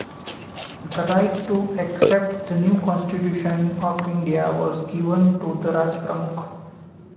The right to accept the new constitution of India was given to the Rajpramukh.